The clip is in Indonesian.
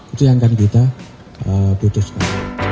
itu yang akan kita putuskan